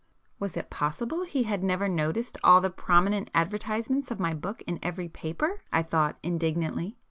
(Was it possible he had never noticed all the prominent advertisements of my book in every paper, I thought indignantly!)